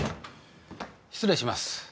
失礼します。